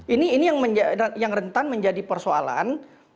ini yang rentan menjadi persoalan